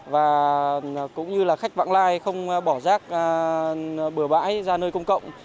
và cũng như là khách vãng lai không bỏ rác bừa bãi ra nơi công cộng